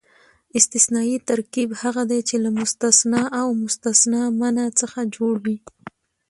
استثنایي ترکیب هغه دئ، چي له مستثنی او مستثنی منه څخه جوړ يي.